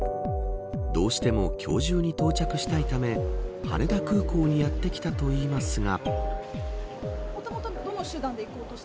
どうしても今日中に到着したいため羽田空港にやってきたと言いますが。